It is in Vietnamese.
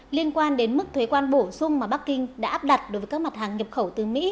liên quan đến mức thuế quan bổ sung mà bắc kinh đã áp đặt đối với các mặt hàng nhập khẩu từ mỹ